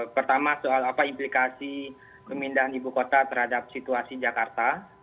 pertama soal apa implikasi pemindahan ibu kota terhadap situasi jakarta